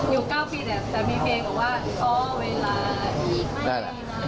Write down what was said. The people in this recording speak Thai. อยู่๙ปีแหละแต่มีเพลงบอกว่าอ๋อเวลาอีก